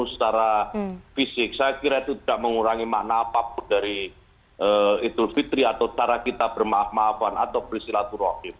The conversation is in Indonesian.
secara fisik saya kira itu tidak mengurangi makna apapun dari idul fitri atau cara kita bermaaf maafan atau bersilaturahim